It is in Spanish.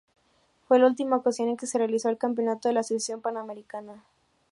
Fue la última ocasión en que se realizó el campeonato de la Asociación Panamericana.